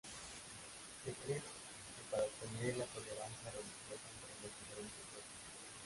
Se cree que para obtener la tolerancia religiosa entre los diferentes grupos.